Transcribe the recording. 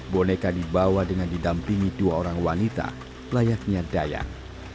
boneka dibawa dengan didampingi dua orang wanita layaknya dayak